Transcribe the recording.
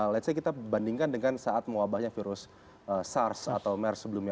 let's say kita bandingkan dengan saat mewabahnya virus sars atau mers sebelumnya